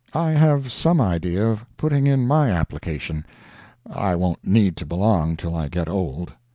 I have some idea of putting in my application—I won't need to belong till I get old.